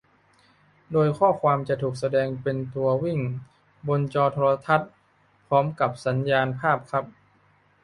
โดยข้อความจะถูกแสดงเป็นตัววิ่งบนจอโทรทัศน์พร้อมกับสัญญาณภาพครับ